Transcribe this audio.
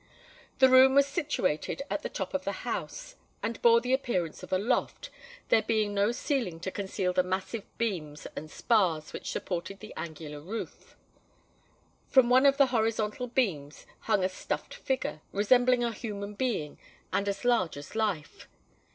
The room was situated at the top of the house, and bore the appearance of a loft, there being no ceiling to conceal the massive beams and spars which supported the angular roof. From one of the horizontal beams hung a stuffed figure, resembling a human being, and as large as life.